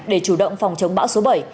để chủ động phòng chống bão số bảy